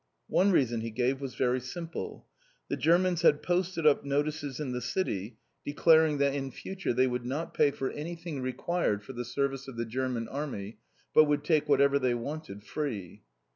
One reason he gave was very simple. The Germans had posted up notices in the city, declaring that in future they would not pay for anything required for the service of the German Army, but would take whatever they wanted, free.